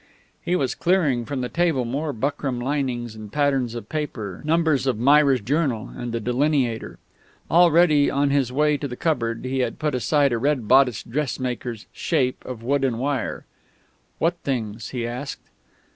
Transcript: He was clearing from the table more buckram linings and patterns of paper, numbers of Myra's Journal and The Delineator. Already on his way to the cupboard he had put aside a red bodiced dressmaker's "shape" of wood and wire. "What things?" he asked.